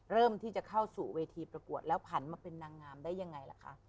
เริ่มที่จะเข้าสู่เวทีประกวดแล้วผันมาเป็นนางงามได้ยังไงล่ะคะ